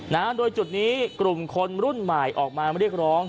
นะฮะโดยจุดนี้กลุ่มคนรุ่นใหม่ออกมาเรียกร้อง